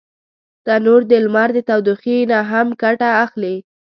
تنور د لمر د تودوخي نه هم ګټه اخلي